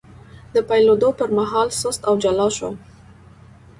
د پیلېدو پر مهال سست او جلا شو،